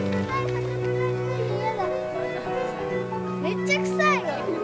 めっちゃ臭いの。